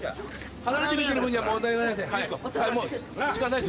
離れて見てる分には問題ないので。